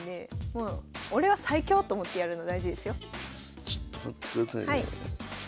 ああちょっと待ってくださいね。